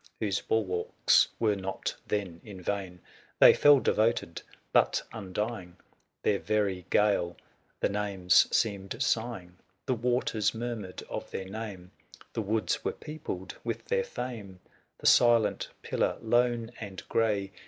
Whose bulwarks were not then in vain. 360 They fell devoted, but undying; / The very gale their names seemed sighing : The waters murmured of their name ; The woods were peopled with their fame ; The silent pillar, lone and gray